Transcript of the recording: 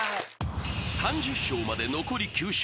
［３０笑まで残り９笑］